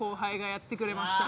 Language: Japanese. やってくれました。